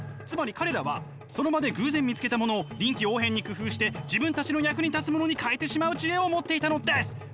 つまり彼らはその場で偶然見つけたものを臨機応変に工夫して自分たちの役に立つものに変えてしまう知恵を持っていたのです！